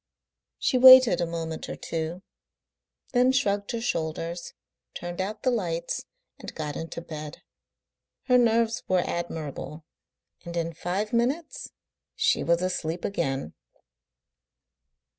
She waited a moment or two, then shrugged her shoulders, turned out the lights, and got into bed. Her nerves were admirable, and in five minutes she was asleep again.